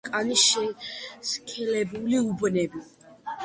თავზე აქვთ კანის შესქელებული უბნები.